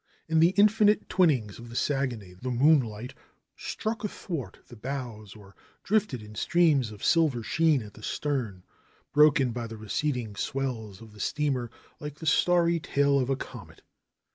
In the infinite twinings of the Saguenay the moonlight struck athwart the bows or drifted in streams of silver sheen at the stern, broken by the receding swells of the steamer, like the starry tale of a comet.